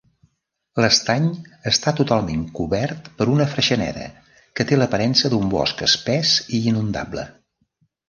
L'estany està totalment cobert per una freixeneda, que té l'aparença d'un bosc espès i inundable.